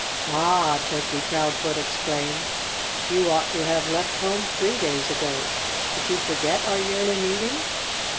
"Ah!" Turkey Proudfoot exclaimed. "You ought to have left home three days ago. Did you forget our yearly meeting?"